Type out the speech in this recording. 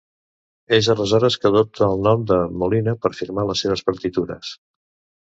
És aleshores que adoptà el nom de Molina per firmar les seves partitures.